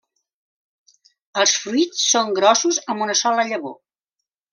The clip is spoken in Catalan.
Els fruits són grossos amb una sola llavor.